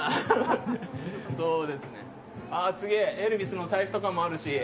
すげえ、エルヴィスの財布とかもあるし。